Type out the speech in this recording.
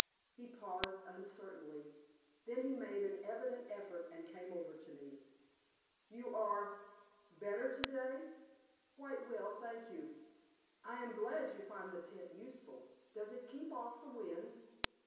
He paused uncertainly, then he made an evident effort and came over to me. "You are better today?" "Quite well, thank you." "I am glad you find the tent useful. Does it keep off the wind?"